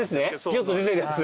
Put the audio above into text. ぴゅっと出てるやつ。